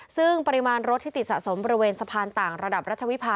ซึ่งปริมาณรถที่ติดสะสมบริเวณสะพานต่างระดับรัชวิภา